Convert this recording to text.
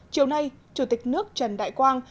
chiều nay chủ tịch nước trần đại quang